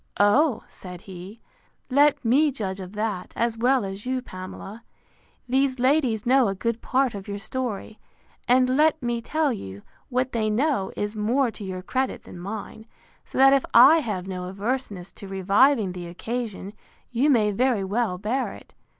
O, said he, let me judge of that, as well as you, Pamela. These ladies know a good part of your story; and, let me tell you, what they know is more to your credit than mine; so that if I have no averseness to reviving the occasion, you may very well bear it.